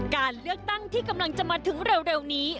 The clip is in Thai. การเลือกตั้งที่กำลังจะมาถึงเร็วนี้